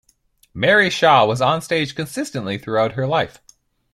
Mary Shaw was onstage consistently throughout her life.